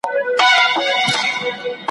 زه وېرېدم له اشارو د ګاونډیانو څخه ,